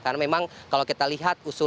karena memang kalau kita lihat